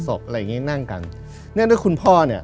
อะไรอย่างงี้นั่งกันเนื่องด้วยคุณพ่อเนี่ย